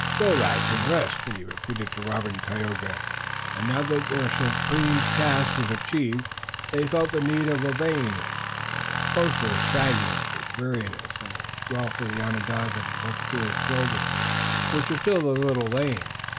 "Go, lads, and rest!" he repeated to Robert and Tayoga, and now that their supreme task was achieved they felt the need of obeying him. Both were sagging with weariness, and it was well for the Onondaga to look to his shoulder, which was still a little lame.